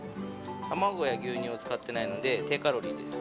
卵や牛乳を使ってないので低カロリーです。